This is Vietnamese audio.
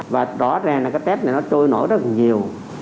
và rõ ràng là cái tết này nó trôi nổi rất là nhiều